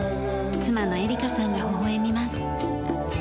妻の絵里香さんがほほ笑みます。